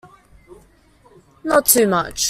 Not too much.